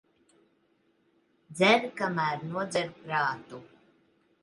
Dzer, kamēr nodzer prātu.